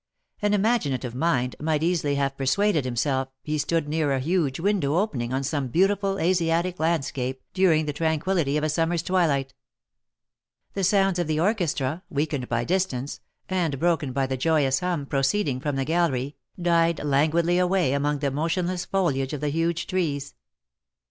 An imaginative mind might easily have persuaded himself he stood near a huge window opening on some beautiful Asiatic landscape during the tranquillity of a summer's twilight. The sounds of the orchestra, weakened by distance, and broken by the joyous hum proceeding from the gallery, died languidly away among the motionless foliage of the huge trees.